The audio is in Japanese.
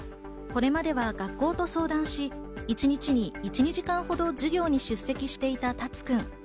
これまでは学校と相談し、一日に１２時間ほど授業に出席していたタツくん。